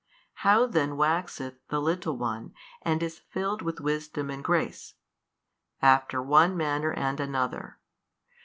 How then waxeth the Little one and is filled with wisdom and grace? After one manner and another.